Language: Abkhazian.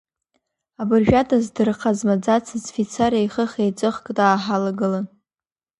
Абыржәада здырха смаӡацыз фицар еихых-еиҵыхк дааҳалагылан…